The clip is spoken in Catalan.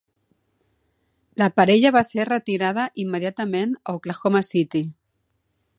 La parella va ser retirada immediatament a Oklahoma City.